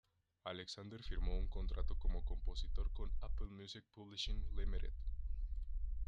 Alexander firmó un contrato como compositor con Apple Music Publishing Ltd.